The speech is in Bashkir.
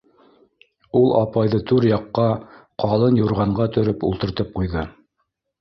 Ул апайҙы түр яҡҡа ҡа лын юрғанға төрөп ултыртып ҡуйҙы